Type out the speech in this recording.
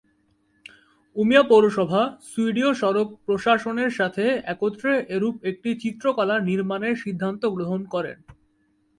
Umeå পৌরসভা সুইডীয় সড়ক প্রশাসনের সাথে একত্রে এরূপ একটি চিত্রকলা নির্মাণের সিদ্ধান্ত গ্রহণ করেন।